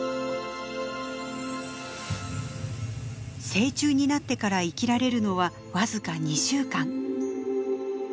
成虫になってから生きられるのは僅か２週間。